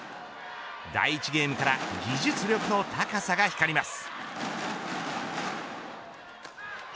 第１ゲームから技術力の高さが光ります。